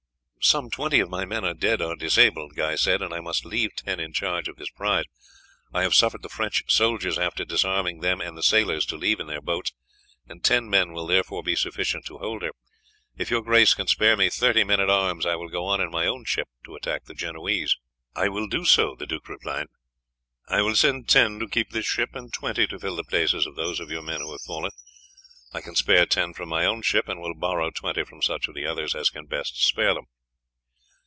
"Some twenty of my men are dead or disabled," Guy said, "and I must leave ten in charge of this prize. I have suffered the French soldiers, after disarming them and the sailors, to leave in their boats, and ten men will therefore be sufficient to hold her. If your grace can spare me thirty men at arms I will go on in my own ship to attack the Genoese." "I will do so," the duke replied. "I will send ten to keep this ship, and twenty to fill the places of those of your men who have fallen. I can spare ten from my own ship and will borrow twenty from such of the others as can best spare them."